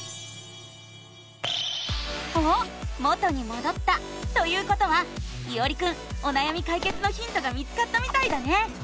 おっ元にもどったということはいおりくんおなやみかいけつのヒントが見つかったみたいだね！